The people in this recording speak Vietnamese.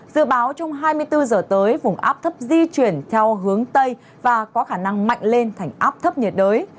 dự báo trong hai mươi bốn giờ tới vùng áp thấp di chuyển theo hướng tây và có khả năng mạnh lên thành áp thấp nhiệt đới